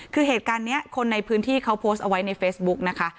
คือเหตุการณ์นี้คนในพื้นที่เขาโพสต์เอาไว้ในเฟซบุ๊กนะคะ